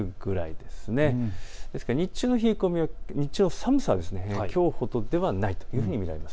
ですから日中の冷え込み、日中の寒さはきょうほどではないと見られます。